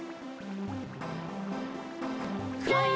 はい！